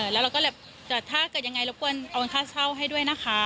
แล้วก็แบบถ้าเกิดยังไงเราก็เอาค่าเช่าให้ด้วยนะคะ